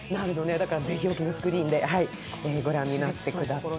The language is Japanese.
だからぜひ、大きなスクリーンで御覧になってください。